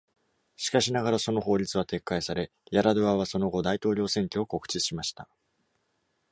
しかしながらその法律は撤回され、ヤラドゥアはその後大統領選挙を告知しました。